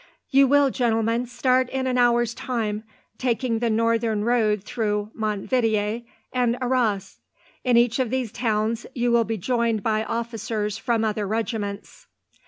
"You will, gentlemen, start in an hour's time, taking the northern road through Montvidier and Arras. In each of these towns you will be joined by officers from other regiments.